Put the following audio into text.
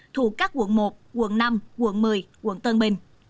thuộc các quận một quận năm quận một mươi quận tân bình